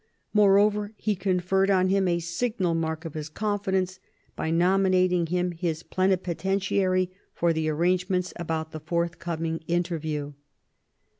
Moreover, he conferred on him a signal mark of his confidence by nominating him his plenipo tentiary for the arrangements about the forthcoming interview.